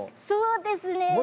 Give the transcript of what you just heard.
そうですね。